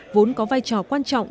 vốn có vai trò quan trọng